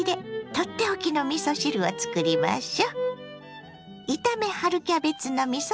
取って置きのみそ汁をつくりましょ。